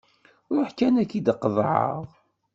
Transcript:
Ṛuḥ kan ad k-id-qaḍɛeɣ.